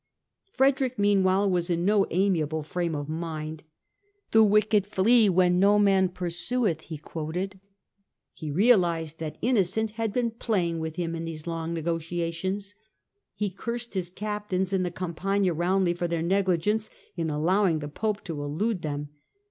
Frederick meanwhile was in no amiable frame of mind. " The wicked flee when no man pursueth," he quoted. He realised that Innocent had been playing with him in these long negotiations. He cursed his captains in the Campagna roundly for their negligence in allowing the Pope to elude them.